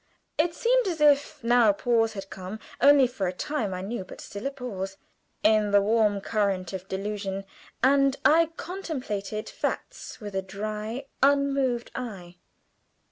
It seemed as if now a pause had come (only for a time, I knew, but still a pause) in the warm current of delusion, and I contemplated facts with a dry, unmoved eye.